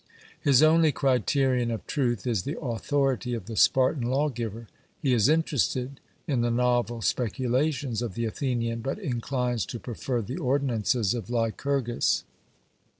His only criterion of truth is the authority of the Spartan lawgiver; he is 'interested,' in the novel speculations of the Athenian, but inclines to prefer the ordinances of Lycurgus.